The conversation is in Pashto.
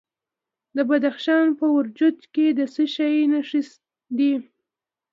د بدخشان په وردوج کې د څه شي نښې دي؟